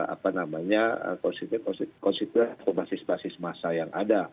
apa namanya konsisten konsisten komersis komersis masa yang ada